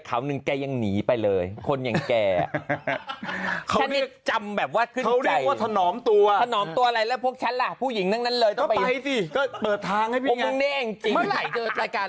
เขาหนึ่งแกยังหนีไปเลยคนของแก